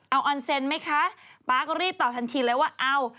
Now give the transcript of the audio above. เอาออนเซ็นต์ไหมคะป๊าก็รีบตอบทันทีเลยว่าเอา